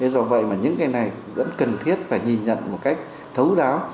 do vậy mà những cái này vẫn cần thiết phải nhìn nhận một cách thấu đáo